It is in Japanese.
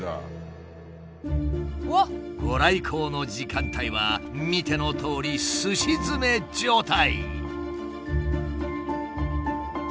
ご来光の時間帯は見てのとおりすし詰め状態！